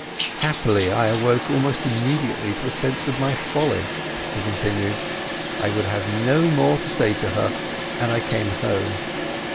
"Happily I awoke almost immediately to a sense of my folly," he continued. "I would have no more to say to her, and I came home.